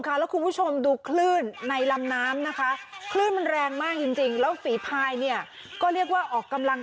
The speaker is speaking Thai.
ค่าหรอกคุณผู้ชมดูคลื่นในลำน้ำนะคะค่ะมันแรงมากจริงจริงเราสรีปลายนี่ก็เรียกว่าออกกำลัง